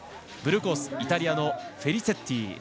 ブルーコース、イタリアのフェリチェッティ。